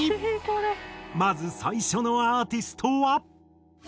まず最初のアーティストは。